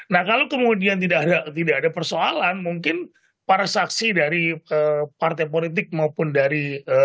nah kalau kemudian tidak ada persoalan mungkin para saksi dari partai politik maupun dari